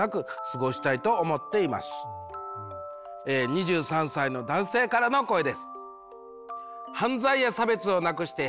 ２３歳の男性からの声です。